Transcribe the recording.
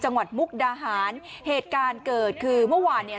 มุกดาหารเหตุการณ์เกิดคือเมื่อวานเนี่ย